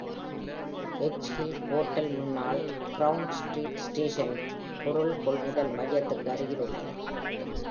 Edge Hill portal முன்னாள் Crown Street Stationன் பொருள் கொள்முதல் மையத்திற்கு அருகில் உள்ளது.